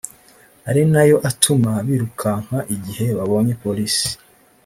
ari nayo atuma birukanka igihe babonye Polisi